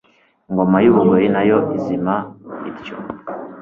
Ingoma y'u Bugoyi nayo izima ityo.